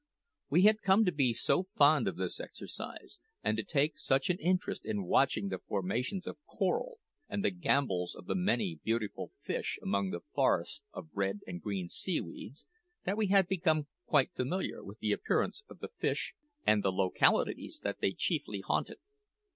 We had come to be so fond of this exercise, and to take such an interest in watching the formations of coral and the gambols of the many beautiful fish amongst the forest of red and green seaweeds, that we had become quite familiar with the appearance of the fish and the localities that they chiefly haunted.